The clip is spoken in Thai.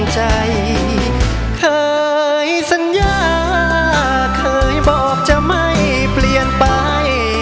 ใจเคยสัญญาเคยบอกจะไม่เปลี่ยนไป